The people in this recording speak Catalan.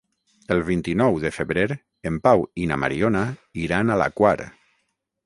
El vint-i-nou de febrer en Pau i na Mariona iran a la Quar.